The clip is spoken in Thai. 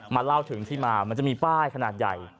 เล่าถึงที่มามันจะมีป้ายขนาดใหญ่